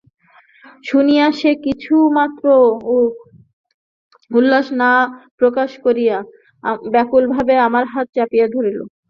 শুনিয়া সে কিছুমাত্র উল্লাস প্রকাশ না করিয়া ব্যাকুলভাবে আমার হাত চাপিয়া ধরিল।